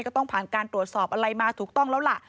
ก็ต้องผ่านการตรวจสอบอะไรมาถูกต้องแล้วล่ะ